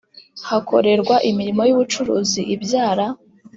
Hakorerwa imirimo y ubucuruzi ibyara